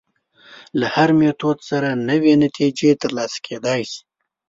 له هر میتود سره نوې نتیجې تر لاسه کېدای شي.